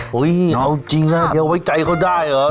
หนาวจริงนะเดี๋ยวไว้ใจเขาได้เหรอ